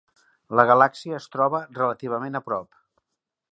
La galàxia es troba relativament a prop.